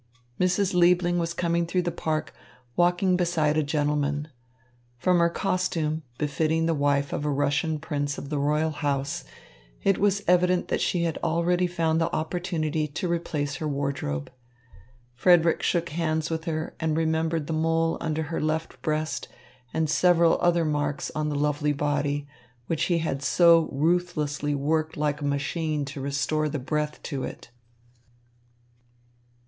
Mrs. Liebling was coming through the park, walking beside a gentleman. From her costume, befitting the wife of a Russian prince of the royal house, it was evident that she had already found the opportunity to replace her wardrobe. Frederick shook hands with her and remembered the mole under her left breast and several other marks on the lovely body, which he had so ruthlessly worked like a machine to restore the breath to it.